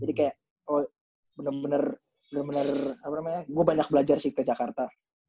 jadi kayak oh bener bener apa namanya gue banyak belajar sih ke jakarta